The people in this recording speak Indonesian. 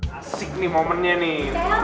asik nih momennya nih